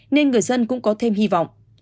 nên người dân cũng có thêm hy vọng